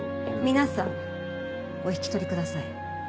皆さんお引き取りください。